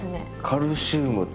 カルシウムと。